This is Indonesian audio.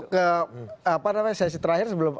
oke kita udah masuk ke sesi terakhir sebelum